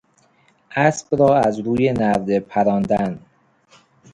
اسب را از روی نرده پراندن